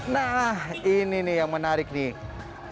nah ini nih yang menarik nih